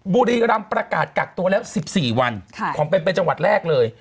บุรีรำประกาศกักตัวแล้ว๑๔วันของเป็นไปจังหวัดแรกเลย